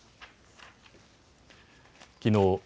きのう